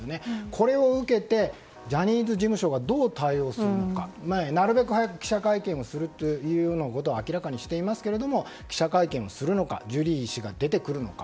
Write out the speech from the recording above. これを受けてジャニーズ事務所がどう対応するのかなるべく早く記者会見するということを明らかにしていますが記者会見をするのかジュリー氏が出てくるのか